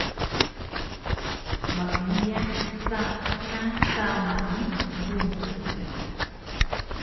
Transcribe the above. Meiyah sapah ka tama ni bubu